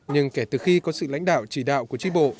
nhưng kể từ khi có sự lãnh đạo chỉ đạo của tri bộ